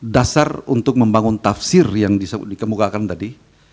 dasar untuk membangun tafsir yang dikemukakan tadi